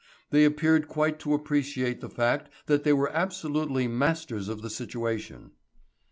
They appeared quite to appreciate the fact that they were absolutely masters of the situation.